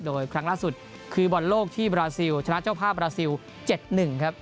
โดยครั้งล่าสุดคือบอลโลกที่บราซิลชนะเจ้าภาพบราซิล๗๑ครับ